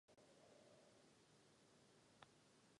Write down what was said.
Euro není řešením hospodářských problémů světa.